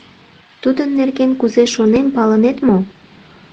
— Тудын нерген кузе шонем, палынет мо?